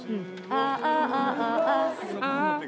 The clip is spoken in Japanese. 「ああ」。